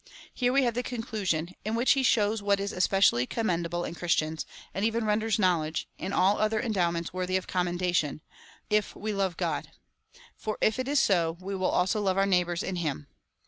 Here we have the conchi sion, in which he shows what is especially commendable in Christians, and even renders knowledge, and all other en dowments worthy of commendation, if we love God; for if it is so, we will also love our neighbours in him.